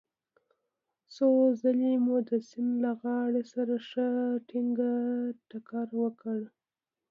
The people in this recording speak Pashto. څو ځلې مو د سیند له غاړې سره ښه ټينګ ټکر وکړ.